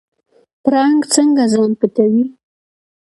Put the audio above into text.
پړانګ څنګه ځان پټوي؟